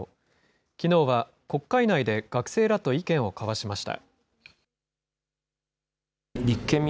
きのうは国会内で学生らと意見を交わしました。